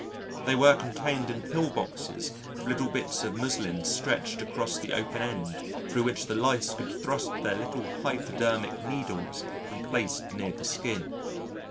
They were contained in pill boxes with little bits of muslin stretched across the open end thro' which the Lice could thrust their little hypodermic needles when placed near the skin.